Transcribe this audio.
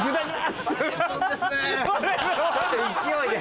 ちょっと勢いで。